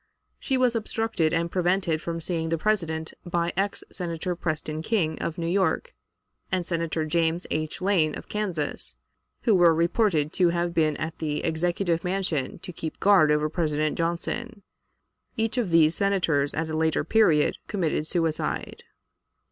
She was obstructed and prevented from seeing the President by ex Senator Preston King, of New York, and Senator James H. Lane, of Kansas, who were reported to have been at the Executive Mansion to keep guard over President Johnson. Each of these Senators at a later period committed suicide.